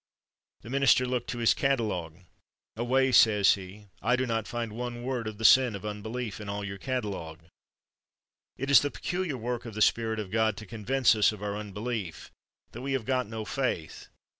The minister looked to his catalog. Away, says he, I do not find one word of the sin of unbelief in all your catalog. It is the peculiar work of the Spirit of God to con vince us of our unbelief — that we have got no faith.